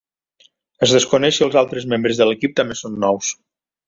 Es desconeix si els altres membres de l'equip també són nous.